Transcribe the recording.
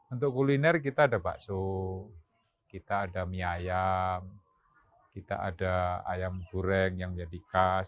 untuk kuliner kita ada bakso kita ada mie ayam kita ada ayam goreng yang jadi khas